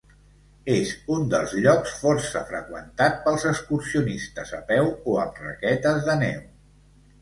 És un dels llocs força freqüentats pels excursionistes a peu o amb raquetes de neu.